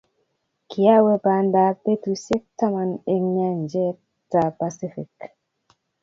Kiawe panda ab betusiek taman eng nyajet ab Pacific